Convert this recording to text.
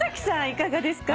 いかがですか？